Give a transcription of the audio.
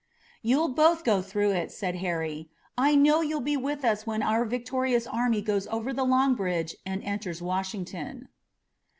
"You'll both go through it," said Harry. "I know you'll be with us when our victorious army goes over the Long Bridge and enters Washington."